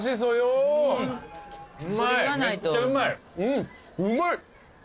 んうまい。